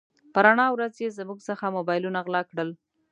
په رڼا ورځ يې زموږ څخه موبایلونه غلا کړل.